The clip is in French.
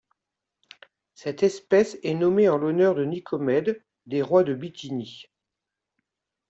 Cette espèce est nommée en l'honneur de Nicomède, des rois de Bithynie.